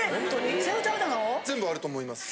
全部あると思います。